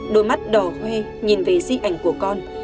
đôi mắt đỏ hue nhìn về di ảnh của con